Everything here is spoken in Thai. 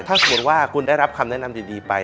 ถ้าสมมุติว่าคุณได้รับคำแนะนำดีไป